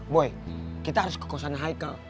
boy kita harus ke kosongnya haikal